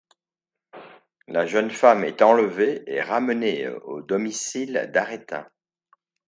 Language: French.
La jeune femme est enlevée et ramenée au domicile d'Arétin.